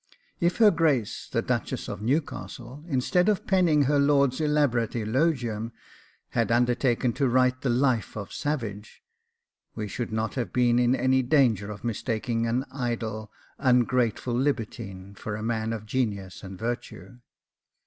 If her Grace the Duchess of Newcastle, instead of penning her lord's elaborate eulogium, had undertaken to write the life of Savage, we should not have been in any danger of mistaking an idle, ungrateful libertine for a man of genius and virtue.